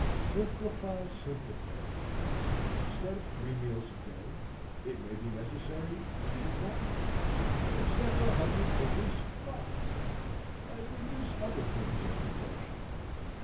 Simplify, simplify. Instead of three meals a day, if it be necessary eat but one; instead of a hundred dishes, five; and reduce other things in proportion.